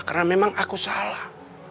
karena memang aku salah